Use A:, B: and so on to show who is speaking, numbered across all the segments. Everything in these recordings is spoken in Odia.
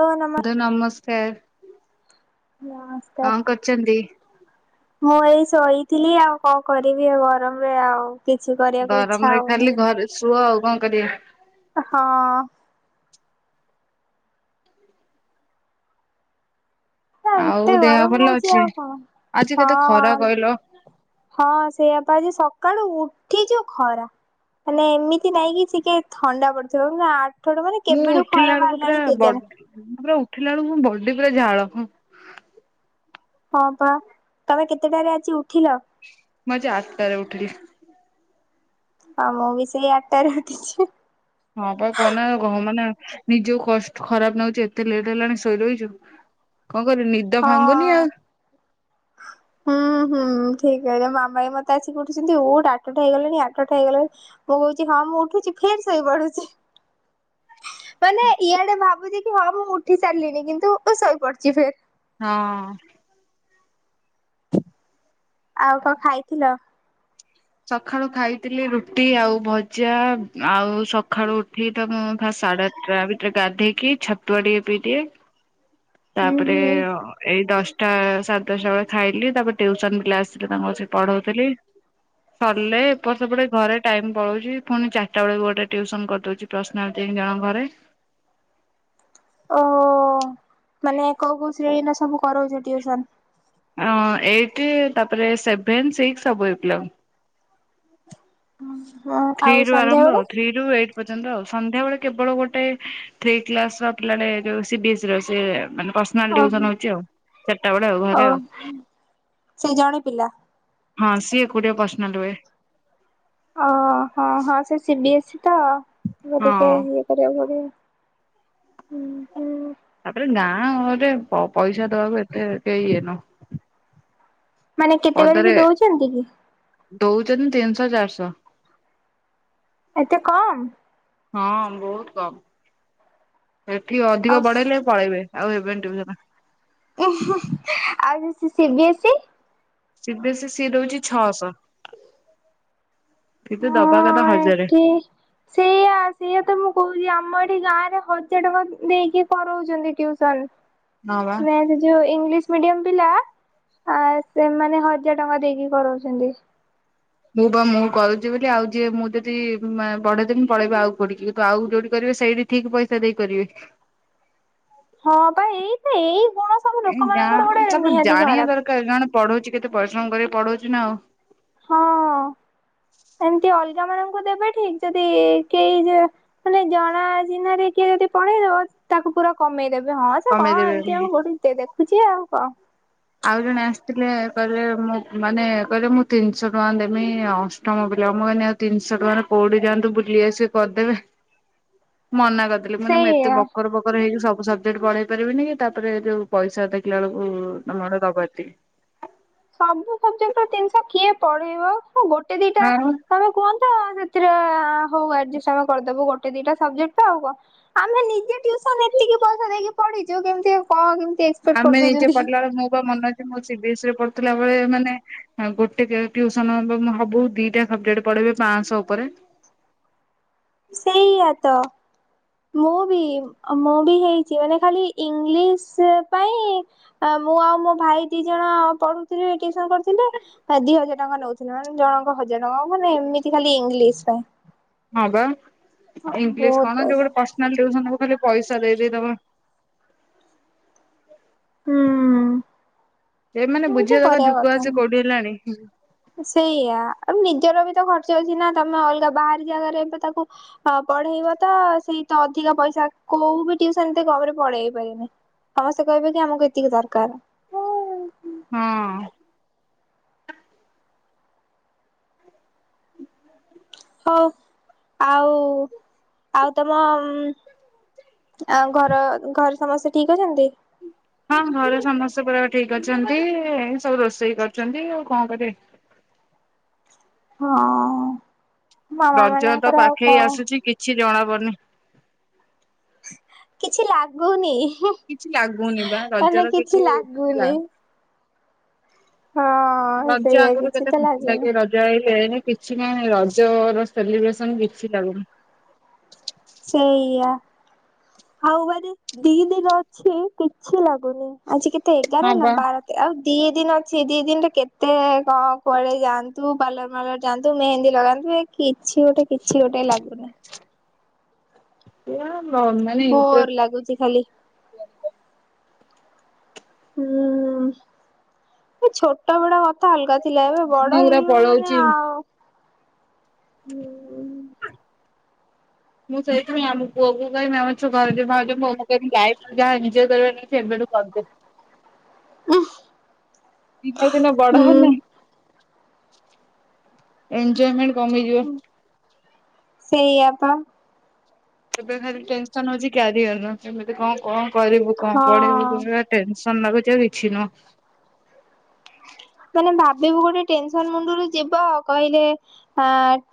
A: ଓ ନମ
B: ନମସ୍କାର,
A: ନମସ୍କାର।
B: କଁ କରୁଛନ୍ତି?
A: ମୁଁ ଏଇ ଶୋଇଥିଲି ଆଉ କଣ କରିବି ଆ ଗରମରେ ଆଉ କିଛି କରିବାକୁ ଇଚ୍ଛା
B: ଗରମରେ
A: ହଉନି।
B: ଖାଲି ଘରେ ଶୁଅ ଆଉ କଣ କରିବ।
A: ହଁ।
B: ଆଉ
A: ଏତେ
B: ଦେହ
A: ଗରମ
B: ଭଲ
A: ହଉଛି,
B: ଅଛି?
A: ଆଉ
B: ଆଜି
A: କଣ
B: କେତେ ଖରା
A: ହଁ।
B: କହିଲ
A: ହଁ ସେଇଆପା, ଆଜି ସକାଳୁ ଉଠିଛୁ ଖରା। ମାନେ ଏମିତି ନାଇଁ କିି ଟିକେ ଥଣ୍ଡା ପଡିଥିବ, ଆଠଠୁ ମାନେ କେବେଠୁ
B: ଉଠିଲା
A: ଖରାପ
B: ବେଳକୁ ପୁରା
A: ବାହାରିଲାଣି
B: ବ
A: କେଜାଣି।
B: ମୁଁ ପୁରା ଉଠିଲା ବେଳୁ, ମୋ ବଡି ପୁରା ଝାଳ ହଁ।
A: ହଁ ପା ତମେ କେତେଟାରେ ଆଜି ଉଠିଲ?
B: ମୁଁ ଆଜି ଆଟଟାରେ ଉଠିଲି।
A: ହଁ ମୁଁ ବି ସେଇ ଆଟଟାରେ ଉଠିଛି।
B: ହଁ ପା କୁହନା ମାନେ ନିଜକୁ କଷ୍ଟ ଖରାପ ନାଗୁଛି, ଏତେ ଲେଟ୍ ହେଲାଣି ଶୋଇ ରହିଛୁ। କଁ କରିବୁ ନି
A: ହଁ। ହୁଁ ହୁଁ ଠିକ କହିଛ, ମାମା ବି ମତେ ଆସିକି କହୁଛନ୍ତି ଉଠ ଆଠଟା ହେଇଗଲାଣି ଆଠଟା ହେଇଗଲାଣି। ମୁଁ କହୁଛି ହଁ ମୁଁ ଉଠୁଛି ଫେରେ ଶୋଇ ପଡୁଛି। ମାନେ ଇଆଡେ ଭାବୁଛି କି ହଁ ମୁଁ ଉଠି ସାରିଲିଣି କିନ୍ତୁ ଶୋଇପଡୁଛି ଫେରେ।
B: ହଁ।
A: ଆଉ କ ଖାଇଥିଲ?
B: ସକାଳୁ ଖାଇଥିଲି ରୁଟି ଆଉ ଭଜା, ଆଉ ସକାଳୁ ଉଠି ତ ମୁଁ ଫା ସାଢେ ଆ ଟା ଭିତରେ ଗାଧେଇକି ଛତୁଆ ଟିକେ ପିଇଦିଏ।
A: ହୁଁ
B: ତାପରେ
A: ହୁଁ
B: ଏଇ ଦଶ ଟା ସାଢେଦଶଟା ବେଳେ ଖାଇଲି, ତାପରେ ଟ୍ୟୁସନ ପିଲା ଆସିଲେ ତାଙ୍କୁ ବସି ପଢଉଥିଲି। ସରିଲେ ଏପଟ ସେପଟ ହେଇ ଘରେ ଟାଇମ ପଳଉଛି, ପୁଣି ଚାରିଟା ବେଳକୁ ଗୋଟେ ଟ୍ୟୁସନ କରିଦଉଛି। [unintelligible] ଜଣଙ୍କ ଘରେ
A: ଓହୋ ମାନେ କୋଉ କୋଉ ଶ୍ରେଣୀର ସବୁ କରଉଛ ଟ୍ୟୁସନ?
B: ଅଁ ଏଇଟ୍ ତାପରେ ସେଭେନ, ସିକ୍ସ ସବୁ ଏଇ ପିଲାଙ୍କୁ। ଥ୍ରୀ
A: ଆଉ
B: ରୁ
A: ସନ୍ଧ୍ୟା
B: ଆରମ୍ଭ ଆଉ,
A: ବେଳେ
B: ଥ୍ରୀ ଏଇଟ୍ ପର୍ଯ୍ୟନ୍ତ ଆଉ, ସଂନ୍ଧ୍ୟାବେଳେ କେବଳ ଗୋଟେ ଥ୍ରୀ କ୍ଲାସ ପିଲା ଟାଏ ଏ ଯୋଉ ସିବିଏସ ପିଲା ସେ ମାନେ ପର୍ସନାଲ
A: ଓହୋ
B: ଟିୟୁସନ୍ ହଉଛି ଆଉ, ଚାରିଟା ବେଳେ ଆଉ,
A: ଓ
B: ଘରେ ଆଉ।
A: ସେ ଜଣେ ପିଲା।
B: ହଁ ସିଏ ଏକୁଟିଆ ପର୍ସନାଲଟ୍ ହୁଏ।
A: ହଁ ହଁ ସେ ସିବିିଏସ୍ ତ
B: ହଁ।
A: ସେଟିକେ ଇଏ [unintelligible]
B: ତାପରେ ଗାଁରେ ପ ପଇସା ଦବାକୁ ଏତେ କେହି ଇଏ ନୁହଁ।
A: ମାନେ କେତେ
B: ପଦାରେ
A: କରିକି ଦଉଛନ୍ତି କି?
B: ଦଉଛନ୍ତି ତିନିଶହ ଚାରିଶହ।
A: ଏତେ କମ।
B: ହଁ ବହୁତ କମ, ଏଠି ଅଧିକ
A: ଆଉ
B: ବଢେଇଲେ ପଳେଇବେ ଆଉ ହେବେନି ଟିୟୁସନ୍।
A: ଓହୋ ହ ଆଉ ସେ ସିବିଏସ୍ ସି।
B: ସି ବିଏସ୍ ସିଏ ଦଉଛି ଛଅଶହ, କିନ୍ତୁ
A: ହଁ
B: ଦବାକଥା ହଜାରେ। [inaudible]
A: ସେଇଆତ ମୁଁ କହୁଛି ଆମ ଏଠି ଗାଁରେ ହଜାର ଟଙ୍କା ଦେଇକି କରଉଛନ୍ତି ଟିୟୁସନ୍।
B: ହଁ ବା
A: [unintelligible] ଯୋଉ ଇଂଲିଶ ମିଡିୟମ ପିଲା ଆଉ ସେମାନେ ହଜାର ଟଙ୍କା ଦେଇକି କରଉଛନ୍ତି।
B: ମୁଁ ବା ମୁଁ କରୁଛି ବୋଲି ଆଉ ଯିଏ ମୁଁ ଯଦି ବଢେଇଦବି ପଳେଇବି ଆଉ କୋଉଠିକି କିନ୍ତୁ ଆଉ ଯୋଉଠି କରିବେ ସେଇଠି ଠିକ ପଇସା ଦେଇକରିବେ।
A: ହଁ ବା ଏଇ ତ ଏଇ ଗୁଣ ସବୁ
B: ଏ ଗାଁ
A: ଲୋକମାନଙ୍କର ଗୋଟେ
B: ହିସାବରେ
A: ନିହାତି
B: ଜାଣିବା
A: ଖରାପ।
B: ଦରକାର୍ ନା ଜଣେ ପଢୁଚି କେତେ ପରିଶ୍ରମ କରି ପଢଉଚି ନା ଆଉ। [inaudible]
A: ଏମତି ଅଲଗା ମାନଙ୍କୁ ଦେବେ ଠିକ୍ ଯଦି କେହି ଯେ ମାନେ ଜଣା ଅଜଣାରେ କିଏ ଯଦି ପଢେଇଦବ ତାକୁ ପୁରା କମେଇଦେବେ ହଁ ସେ କଣ୍ ଏମିତି ଆଉ ପଢୁଚି ଦେଖୁଚି ଆଉ କଣ।
B: ଆଉ ଜଣେ ଆସିଥିଲେ କହିଲେ ମୁଁ ମାନେ କହିଲେ ମୁଁ ତିନିଶ ଟଙ୍କା ଦେମି ଅଷ୍ଟମ ପିଲା ମୁଁ ଏଇନେ ତିନିଶ ଟଙ୍କାରେ କଉଠି ଯାଆନ୍ତୁ ବୁଲି ଆସିବେ କରିଦେବେ ମନା କରିଦେ କହିଲି ମାନେ ମୁଁ ଏତେ
A: ସେଇଆ।
B: ବକର ବ ବକର ହେଇକି ସବୁ ସବଜେକ୍ଟ୍ ପଢେଇ ପାରିବିନି କି ତାପରେ ଯଉ ପଇସା ଦେଖିଲା ବଳକୁ ତମର ଦବ ଏତିକି।
A: ସବୁ ସବଜେକ୍ଟ୍ କୁ ତିନ୍ସ କିଏ ପଢେଇବ ହଁ ଗୋଟେ ଦିଟା
B: ହଁ ମ
A: ତମେ କୁହନ୍ତ ସେଥିରେ ହଉ ଆଜଷ୍ଟ ଆମେ କରିଦବୁ ଗୋଟେ ଦିଟା ସବଜେକ୍ଟ ତ ଆଉ କହ ଆମେ ନିଜେ ଟ୍ୟୁସନ୍ ଏତିକି ପଇସା ଦେଇକି ପଢିଚୁ କେମିତି କଣ କେମିତି ଏକ୍ସପେକ୍ଟ
B: ଆମେ ନିଜେ
A: କରିଦଉଛନ୍ତି।
B: ପଢିଲା ବେଳେ ମୁଁ ପା ମନେ ଅଛି ମୁଁ ସି ବିଏସ୍ ରେ ପଢୁଥିଲା ବଳେ ମାନେ ଆଉ ଗୋଟେ ଜାଗା ଟ୍ୟୁସନ୍ ହବୁ ଦିଟା ସବଜେକ୍ଟ୍ ପଢେଇବେ ପାଞ୍ଚଶହ ଉପରେ।
A: ସେଇଆ ତ। ମୁଁ ବି -ମୁଁ ବି ହେଇଚି ମାନେ ଖାଲି ଇଂଲିଶ ପାଇଁ ଅ-ମୁଁ ଆଉ ମୋ ଭାଇ ଦି ଜଣ ପଢୁଥିଲେ ଟିଉସନ୍ କରି କରୁଥିଲେ ଦି ହଜାର ଟଙ୍କା ନଉଥିଲେ ମାନେ ଜଣଙ୍କ ହଜାର ଟଙ୍କା ମାନେ ଏମତି ଖାଲି ଇଂଲିଶ ପାଇଁ
B: ହଁ ବା ଇଂଲିଶ
A: ବହୁତ
B: କଣ ଯଉ
A: ପଇସା
B: ଗୋଟେ ପର୍ଶନାଲ୍ ଟ୍ୟୁସନ୍ କୁ ଖାଲି ପଇସା ଦେଇ ଦେଇ ତମେ
A: ହୁଁ।
B: ସେଇ ମାନେ
A: ଏମିତି
B: ବୁଝିବା ଦରକାର୍
A: କରିବା
B: ଯୁଗ
A: କଥା ନୁହଁ।
B: ଆସି କଉଠି ହେଲାଣି
A: ସେଇଆ ଆ ନିଜର ବି ତ ଖର୍ଚ୍ଚ ଅଛି ନା ତମେ ଅଲଗା ବାହାରି ଜାଗାରେ ବି ତ ତାକୁ ପଢେଇବ ତ ସେଇ ତ ଅଧିକ ପଇସା କଉ ବି ଟ୍ୟୁସନ୍ ସେମିତି ପଢେଇ ପାରିବନି। ସମସ୍ତେ କହିବେ କି ଆମକୁ ଏତିକି ଦରକାର୍।
B: ହଁ।
A: ହଉ ଆଉ ଆଉ ତମ ଉଁ ଆଉ ଘର ଘରେ ସମସ୍ତେ ଠିକ୍ ଅଛନ୍ତି?
B: ହଁ ଘରେ ସମସ୍ତେ ପୁରା ଠିକ୍ ଅଛନ୍ତି ସବୁ ରୋଷେଇ କରୁଚନ୍ତି ଆଉ କଣ୍ କରିବେ।
A: ହଁ ମାମା
B: ରଜ ତ
A: ମାନଙ୍କର ଆଉ
B: ପାଖେଇ
A: କଣ
B: ଆସୁଛି କିଛି ଜଣା ପଡ଼ୁନି।
A: କିଛି ଲାଗୁନି।
B: କିଛି ଲାଗୁନି ବା
A: ମାନେ
B: ରଜର କିଛି ଲା
A: ଲାଗୁନି। ହଁ
B: ରଜ
A: ସେଇଆ
B: ଆଗରୁ
A: କିଛି
B: କେତେ
A: ତ
B: ଖୁସି
A: ଲାଗୁନି
B: ଲାଗେ ରଜ ଯାଇ ହେଇନି କିଛି ନାଇ ରଜ ର ସେଲିବ୍ରେସନ୍ କିଛି ଲାଗୁନି।
A: ସେଇଆ ଆଉ ମନେ ଦି ଦିନ ଅଛି କିଛି ଲାଗୁନି। ଆଜି କେତେ ଏଗାର
B: ହଁ
A: ନା
B: ବା
A: ବାର୍? ଆଉ ଦି ଦିନ ଅଛି ଦି ଦିନ ରେ କେତେ କଣ କୁଆଡେ ଯାଆନ୍ତୁ ପାଲର୍ ମାଲର୍ ଯାଆନ୍ତୁ ମେହେନ୍ଦୀ ଲଗାନ୍ତି ଏ କିଛି ଗୋଟେ କିଛି ଗୋଟେ ଲାଗୁନି।
B: [unintelligible]
A: ବୋର୍
B: ଲାଗୁନି
A: ଲାଗୁଚି ଖାଲି।
B: କିଛି।
A: ହୁଁ ଏ ଛୋଟ୍ ଛୋଟ ବେଳେ କଥା ଅଲଗା ଥିଲା
B: ସବୁ
A: ଏବେ
B: ଦିନ
A: ବଡ
B: ଗୁରା
A: ହେଇଗଲୁଣି ମାନେ
B: ପଳଉଛି
A: ଆଉ
B: ମୁଁ ସେଇଥିପାଇଁ ଆମ ପୁଅକୁ କହିବି ଆମ [unintelligible] ମୁଁ କହିବି ଲାଇଫ୍ ରେ ଯାହା ଏଞୟ କରିବାର ଅଛି ଏବେଠୁ କରିଦେ।
A: ଉଁହ।
B: ଦିନକୁ ଦିନ ବଡ ହେଲେ ଏଞୟମେଣ୍ଟ୍ କମିଯିବ।
A: ସେଇଆ ପା।
B: ଏବେ ଖାଲି ଟେନସନ୍ ହଉଚି କ୍ୟାରିଅର ର କେମିତି କଣ୍ କଣ୍ କରିବୁ କଣ୍ ପଢିବୁୁ
A: ହଁ।
B: ଦୁନିଆରେ। ଟେନସନ୍ ଲାଗୁଚି ଆଉ କିଛି ନୁହଁ।
A: ମାନେ ଭାବିିବୁ ଗୋଟେ ଟେନସନ ମୁଣ୍ଡରୁ ଯିବ କହିଲେ ହ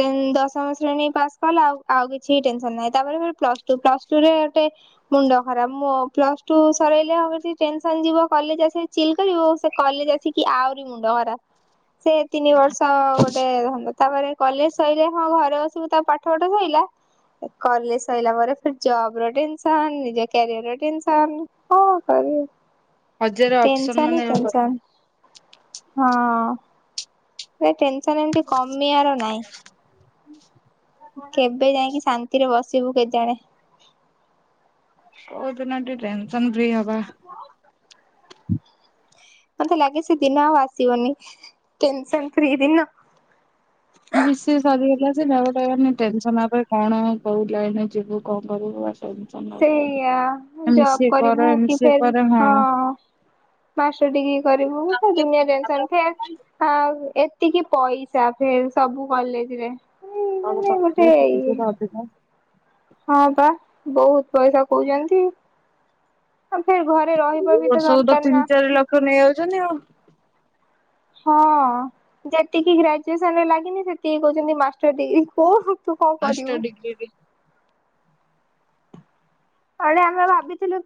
A: ଟେନ ଦଶମ ଶ୍ରେଣୀ ପାସ୍ କଲା ଆଉ ଆଉ କିଛି ଟେନସନ ନାହିଁ ତାପରେ ପ୍ଲସ୍ ଟୁ। ପ୍ଲସ ଟୁ ରେ ଗୋଟେ ମୁଣ୍ଡ ଖରାପ ମୁ ପ୍ଲସ ଟୁ ସରେଇଲେ ଟେନସନ ଯିବ କଲେଜ ଆସି ଚିଲ କରିବୁ ସେ କଲେଜ ଆସିକି ଆହୁରି ମୁଣ୍ଡ ଖରାପ ସେ ତିନି ବର୍ଷ ତ ଗୋଟେ ଧନ୍ଦା ତାପରେ କଲେଜ ସଇିଲେ ହଁ ଘରେ ବସିବୁ ତା ପାଠ ସାଠ ସଇଲା କଲେଜ ସରିଲା ପରେ ଫେର୍ ଜବ ର ଟେନସନ ନିଜ କ୍ୟାରିୟର ଟେନସନ କଣ କରିବୁ।
B: ହଜାର ଅପସନ
A: ଟେନସନ ହିଁ
B: ମାନେ
A: ଟେନସନ ହଁ। ପୁରା ଟେନ ସନ ଏମତି କମିବାର ନାଇଁ। କେବେ ଯାଇକି ଶାନ୍ତିରେ ବସ ଜିବୁ କେତେ ଆଡେ।
B: କୋଉଦିନ ଟିକେ ଟେନସନ ଫ୍ରି ହବା।
A: ମତେ ଲାଗେ ସେ ଦିନ ଆଉ ଆସିବନି, ଟେନସନ ଫ୍ରି ଦିନ।
B: ବି ସି ଏ ସରିଗଲା ସିନା, ଗୋଟାଏ ମାନେ ଟେନସନ୍ ଆ ପରେ କଣ [unintelligible] ଲାଇନ୍ ରେ ଯିବୁ କଣ କରିବୁ। ଟେନସନ ଲାଗୁଛି।
A: ସେଇଆ,
B: ଏମ ସି
A: ଜବ୍
B: ଏ କର
A: କରିବୁ
B: ଏମ
A: କି
B: ସି ଏ
A: ଫେର୍
B: କର
A: ହଁ। ମାଷ୍ଟର ଡିଗ୍ରୀ କରିବୁ, ସେ ଦୁନିଆ ଟେନସନ୍ ଫେ ଆ ଏତିକି ପଇସା ଫେରେ ସବୁ କଲେଜ୍ ରେ।
B: ସବୁ କଲେଜ୍ ର ଫିଶ୍ ଗୁରା ଅଧିକ।
A: ହଁ ପା ବହୁତ୍ ପଇସା କଉଚନ୍ତି। ଆ ଫେର୍ ଘରେ ରହିବା ବି ତ ଦରକାର୍ ନା।
B: [unintelligible] ନେଇ ଆଉଚନ୍ତି ଆଉ।
A: ହଁ ଯେତିକି ଗ୍ରାଜୁଏସନ୍ ରେ ଲାଗିନି ସେତିକି କହୁଚନ୍ତି ମାଷ୍ଟର ଡିଗ୍ରୀ [unintelligible]
B: ମାଷ୍ଟର୍
A: କରିବୁ।
B: ଡିଗ୍ରିରେ
A: ଆଡେ ଆମେ ଭାବିଥିଲୁ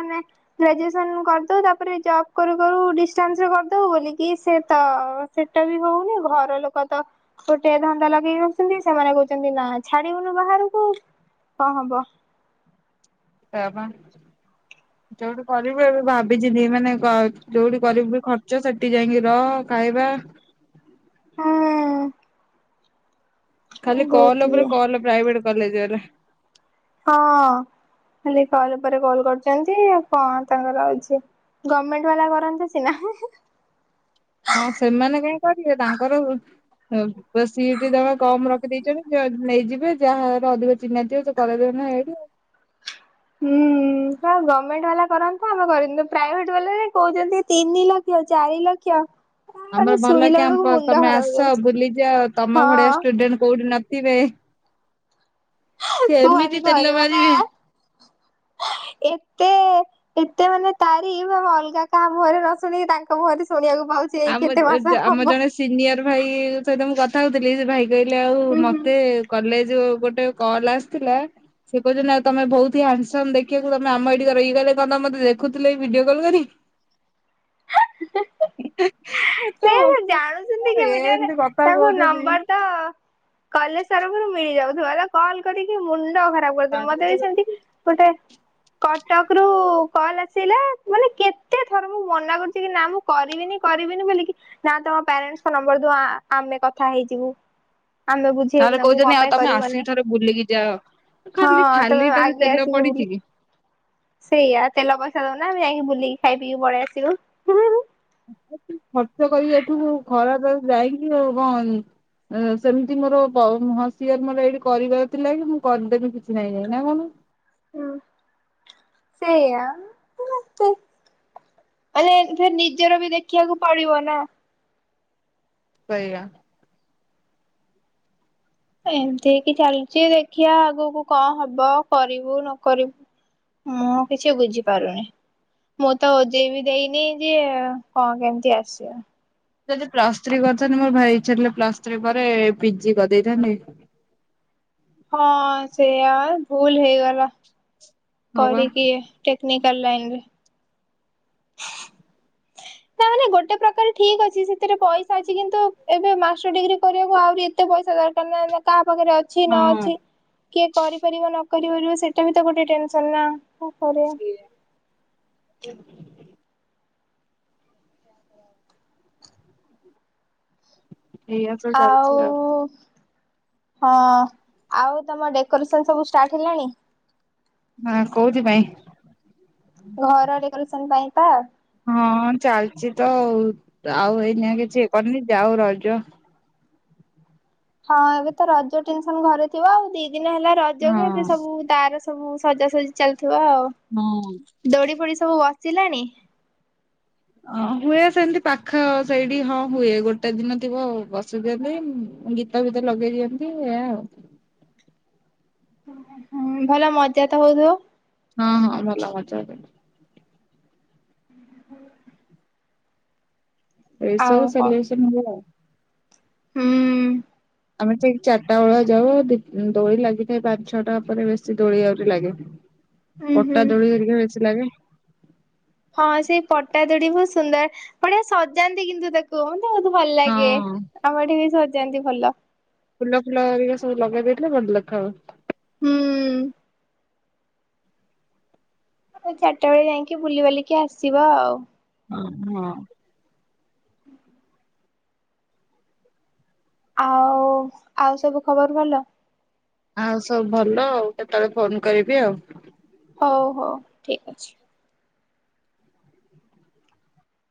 A: ଆମେ ଗ୍ରାଜୁଏସନ୍ କରିଦବୁ ତାପରେ ଜବ୍ କରୁ-କରୁ ଡିଷ୍ଟାନ୍ସରେ କରିଦବୁ ବୋଲିକି ସେ ତ ସେଟା ବି ହଉନି, ଘର ଲୋକ ତ ଗୋଟେ ଧନ୍ଦା ଲଗେଇ ବସିଚନ୍ତି, ସେମାନେ କହୁଚନ୍ତି ନା ଛାଡିବୁନୁ ବାହାରୁକୁ କଣ ହବ।
B: ସେୟା ବା। ଯୋଉଠି କରିବୁ ଏବେ ଭାବିଚିନ୍ତି ମାନେ କ ଯୋଉଠି କରିବୁ ବି ଖର୍ଚ୍ଚ ସେଠି ଯାଇକି ରହ ଖାଇବା
A: ହଁ।
B: ଖାଲି
A: ବହୁତ
B: କଲ୍ ଉପରେ
A: ଇଏ
B: କଲ୍ ପ୍ରାଇଭେଟ୍ କଲେଜ ରେ।
A: ହଁ ଖାଲି କଲ୍ ଉପରେ କଲ କରିୁଚନ୍ତି ଆଉ କଣ ତାଙ୍କର ଅଛି। ଗମେଣ୍ଟ ବାଲା କରନ୍ତେ ସିନା ହେ-ହେ।
B: ହଁ ସେମାନେ କହିଁ କରିବେ, ତାଙ୍କର ହଁ [unintelligible] ସିଟି [unintelligible] କମ୍ ରଖିଦେଇଚନ୍ତି ତ ନେଇଯିବେ ଯାହାର ଅଧିକ ଚିହ୍ନା ଥିବା କରେଇ ଦେବେନା ନା ଏଇଠି।
A: ହୁଁ। ତ ଗମେଣ୍ଟ ବାଲା କରନ୍ତା ଆମେ କରନ୍ତୁ, ପ୍ରାଇଭେଟ୍ ବାଲା ରେ କହୁଚନ୍ତି ତିନି ଲକ୍ଷ ଚାରି ଲକ୍ଷ।
B: ଆମର
A: ମାନେ
B: ଭଲ
A: ଶୁଣିଲା ବେଳକୁ
B: କ୍ୟାମ୍ପସ୍,
A: ମୁଣ୍ଡ
B: ତମେ
A: ଖରାପ
B: ଆସ
A: ହେଇଯାଉଛି।
B: ବୁଲିଯଅ ତମ ଭଳିଆ
A: ହଁ
B: ଷ୍ଟୁଡେଣ୍ଟ କୋଉଠି ନଥିବେ। ସେ
A: କୁହନି
B: ଏମିତି
A: କୁହନି
B: ତେଲ
A: ମାନେ
B: ମାରିବେ
A: ଏତେ ଏତେ ମାନେ ତାରିପ୍ ଆମେ ଅଲଗା କାହା ମୁହଁରେ ନ ଶୁଣିକି ତାଙ୍କ ମୁହଁରେ ଶୁଣିବାକୁ ପାଉ ସେଇ କେତେ ମାସ ହବ।
B: ସିନିୟର୍ ଭାଇ ସହିତ ମୁଁ କଥା କହୁଥିଲି ସେ ଭାଇ କହିଲେ ଆଉ
A: ହୁଁ ହୁଁ
B: ମତେ କଲେଜ୍ ରୁ ଗୋଟେ କଲ୍ ଆସିଥିଲା। ସିଏ କହୁଚନ୍ତି ନା ଆଉ ତମେ ବହୁତ୍ ହ୍ୟାଣ୍ଡସମ୍ ଦେଖିବାକୁ, ତମେ ଆମ [unintelligible] ଇଏ କହିଲେ ତମେ ମତେ ଦେଖୁଥିଲ ଭିଡିଓ କଲ୍ କରି କି। [unintelligible] ଏ ତ
A: ଜାଣୁକନ୍ତି କେମିତି ମାନେ ତାଙ୍କ ନମ୍ବର ଟା କଲେଜ୍ ତରଫରୁ ମିଳିଯାଉଥିବ ତ କଲ୍ କରିକି ମୁଣ୍ଡ ଖରାପ୍ କରିଦେବେ, ମତେ ବି ସେମିତି ଗୋଟେ କଟକ୍ ରୁ କଲ୍ ଆସିଲା ମାନେ କେତେ ଥର ମୁଁ ମନା କରୁଚି କି ନା ମୁଁ କରିବିନି-କରିବିନି ବୋଲିକି ନା ତମ ପ୍ୟାରେଣ୍ଟସ୍ ନମ୍ୱର୍ ଦବ ଆମେ କଥା ହେଇଯିବୁ। ଆମେ
B: ନହେଲେ
A: ବୁଝେଇବୁ ତାଙ୍କୁ
B: କହୁଛନ୍ତି
A: କଣ
B: ଆଉ
A: ପାଇଁ
B: ତମେ ଆସିକି
A: କରିବନି।
B: ଥରେ ବୁଲିକି ଯାଅ।
A: ହଁ
B: ଖାଲି
A: [unintelligible]
B: ଖାଲିଟାରେ
A: ଆଗେ
B: ତେଲ
A: ଆସିକି
B: ପଡିଛି
A: ବୁଲି
B: କି?
A: ସେଇଆ ତେଲ ପଇସା ଦଉନା ଆମେ ଯାଇକି ବୁଲିକି ଖାଇ ପିଇିକି ପଳେଇ ଆସିବୁ ହୁଁ-ହୁଁ -ହୁଁ।
B: ଖର୍ଚ୍ଚ କରିକି ଏଠୁ ଖରାତରା ଯାଇକି ଆଉ କଣ ଏ ସେମିତି ମୋର ପ ସିଏ ମୋର ଏଇଠି କରିବାର ଥିଲା କି ମୁଁ କରିଦେବି କିଛି ନାହିଁ ନାଇଁ କହୁନୁ। [inaudible]
A: ସେଇଆ [unintelligible] ମାନେ ସେ ନିଜର ବି ଦେଖିବାକୁ ପଡିବ ନା।
B: ସେଇଆ।
A: ଏମତି ହେଇକି ଚାଲିଛି ଦେଖିବା ଆଗକୁ କଣ ହବ କରିବୁ ନ କରିବୁ। ମୁଁ କିଛି ବୁଝିପାରୁନି। ମୁଁ ତ ଓଜେଇ ବି ଦେଇନି ଯେ କଣ କେମିତି ଆସିବ।
B: ମୁଁ ଯଦି ପ୍ଲାସ ଥ୍ରୀ କରିଥାନ୍ତି ମୋର ଭାଇ ଇଚ୍ଛାଥିଲା ପ୍ଲାସ ଥ୍ରୀ ପରେ ପିଜି କରିଦେଇଥାନ୍ତି।
A: ହଁ ସେୟା ଭୁଲ ହେଇଗଲା
B: ହଁ ବା
A: କରିକି। ଟେକ୍ନିକାଲ୍ ଲାଇନ ରେ।
B: [inaudible]
A: ତା ମାନେ ଗୋଟେ ପ୍ରକାର ଠିକ ଅଛି ସେଥିରେ ପଇସା ଅଛି କିନ୍ତୁ ଏବେ ମାଷ୍ଟର ଡିଗ୍ରୀ କରିବାକୁ ଆହୁରି ଏତେ ପଇସା ଦରକାର ନା କାହାପାଖରେ ଅ ଛି ନ
B: ହଁ
A: ଅଛି କିଏ କରିପାରିବ ନ କରିପାରିବ ସେଇଟା ବି ତ ଗୋଟେ ଟେନସନ ନା। କଣ କରିବା।
B: ସେଇଆ। ଏଇଆ ସବୁ ଚାଲିଛି
A: ଆଉ ହଁ ଆଉ ତମ ଡେକୋରେସନ ସବୁ ଷ୍ଟାର୍ଟ ହେଲାଣି?
B: ହଁ କୋଉଥି ପାଇଁ?
A: ଘର ଡେକୋରେସନ ପାଇଁ ତା?
B: ହଁ ଚାଲିଛି ତ ଆଉ ଏଇନିକା କିଛି ଇଏ କରିନି ଯାଉ ରଜ।
A: ହଁ ଏବେ ତ ରଜ ଟେନସନ ଘରେ ଥିବ ଆଉ ଦି ଦିନ ହେଲା
B: ହଁ
A: ରଜକୁ ଏବେ ସବୁ ତାର ସବୁ ସଜାସଜି ଚାଲିୁଥିବ ଆଉ।
B: ହଁ।
A: ଦୋଳି ଫୋଳି ସବୁ ବସିଲାଣି?
B: ଅଁ ହୁଏ ସେମିତି ପାଖ ସେଇଠି ହଁ ହୁଏ ଗୋଟେ ଦିନ ଥିବ ବସୁଛନ୍ତି ଗୀ ଗୀତ ଫିତ ଲଗେଇ ଦିଅନ୍ତି ଏଇଆ ଆଉ।
A: ହୁଁ ଭଲ ମଜା ତ ହଉଥିବ?
B: ହଁ ହଁ ଭଲ ମଜା [unintelligible]
A: ହ ହ [inaudible]
B: ଏସବୁ
A: କଣ
B: ସଲୁସନ୍ [unintelligible]
A: ହୁଁ।
B: ଆମେ ଠିକ୍ ଚାରିଟା ବେଳିଆ ଯାଉ ଦି ଦୋଳି ଲାଗିଥାଏ ପାଞ୍ଚ ଛଅଟା ପରେ ବେଶୀ ଦୋଳି ଆହୁରି ଲାଗେ।
A: ଉଁ ହୁଁ
B: ପଟା ଦୋଳି ହେରିକି ବେଶୀ ଲାଗେ।
A: ହଁ ସେଇ ପଟା ଦୋଳି ବହୁତ ସୁନ୍ଦର ବଢ଼ିଆ ସଜାନ୍ତି କିନ୍ତୁ ତାକୁ କୁ ମତେ ବହୁତ ଭଲ ଲାଗେ
B: ହଁ।
A: ଆମ ଏଠି ବି ସଯାନ୍ତି ଭଲ।
B: ଫୁଲ ଫୁଲ ହେରିକା ସବୁ ଲଗେଇ ଦେଇଥିଲେ ଭଲ ଦେଖାଯାଉଥିଲା।
A: ହୁଁ। ଏ ଚାରିଟା ବେଳେ ଯାଇକି ବୁଲିବାଲିକି ଆସିବ ଆଉ।
B: ଅହଁ।
A: ହୁଁ [inaudible] ଆଉ ଆଉ ସବୁ ଖବର ଭଲ?
B: ଆଉ ସବୁ ଭଲ ଆଉ କେତେବେଳେ ଫୋନ କରିବି ଆଉ।
A: ହଉ ହଉ ଠିକ ଅଛି।